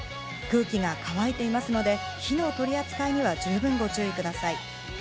空気が乾いていますので、火の取り扱いには十分ご注意ください。